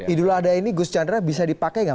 idul adha ini gus chandra bisa dipakai nggak